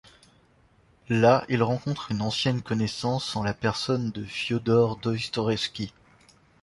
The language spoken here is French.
Là, il rencontre une ancienne connaissance en la personne de Fiodor Dostoïevski.